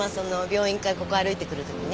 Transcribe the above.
病院からここ歩いてくるときね